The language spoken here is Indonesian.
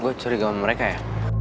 gue curiga sama mereka ya